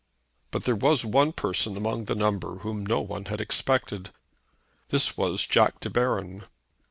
But there was one person among the number whom no one had expected. This was Jack De Baron.